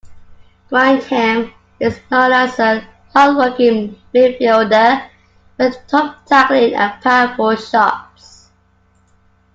Grindheim is known as a hardworking midfielder with tough tackling and powerful shots.